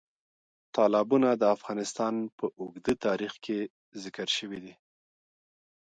تالابونه د افغانستان په اوږده تاریخ کې ذکر شوی دی.